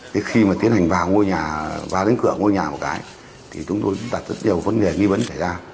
thì khi mà tiến hành vào ngôi nhà vào đến cửa ngôi nhà một cái thì chúng tôi đặt rất nhiều vấn đề nghi vấn trở ra